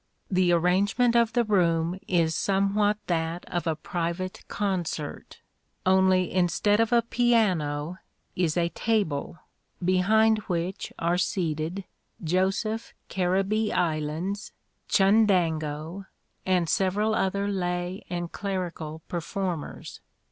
The arrangement of the room is somewhat that of a private concert, only instead of a piano is a table, behind which are seated Joseph Caribbee Islands, Chundango, and several other lay and clerical performers.